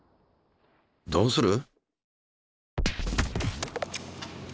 どうする？